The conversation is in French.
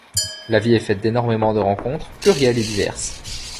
La vie est faite d'énormément de rencontres, plurielles et diverses.